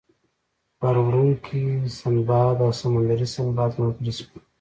بار وړونکی سنباد او سمندري سنباد ملګري شول.